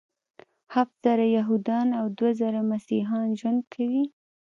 هفت زره یهودان او دوه زره مسیحیان ژوند کوي.